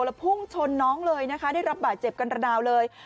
แล้วพุ่งชนน้องเลยนะคะได้รับบาดเจ็บกันระนาวเลย